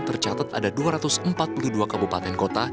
tercatat ada dua ratus empat puluh dua kabupaten kota